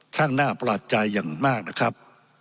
ข้างหน้าประหลาดใจอย่างมากนะครับ